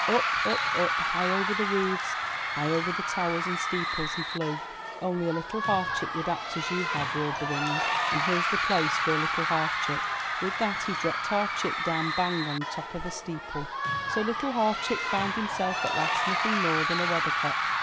Up, up, up, high over the roofs, high over the towers and steeples he flew ! Only a little half chick would act as you have," roared the Wind, '*and here's the place for a little half chick!" With that he dropped Half Chick down bang on the top of a steeple. So Little Half Chick found himself at last nothing more than a weather cock.